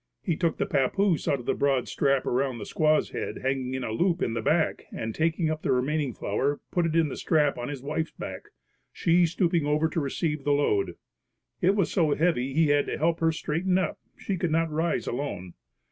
He took the papoose out of a broad strap around the squaw's head hanging in a loop in the back and taking up the remaining flour, put it in the strap on his wife's back, she stooping over to receive the load. It was so heavy he had to help her straighten up; she could not rise alone.